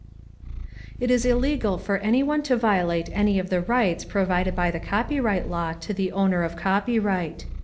It is illegal for anyone to violate any of the rights provided by the copyright law to the owner of copyright.